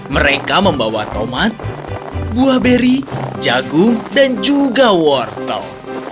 mereka membawa tomat buah beri jagung dan juga wortel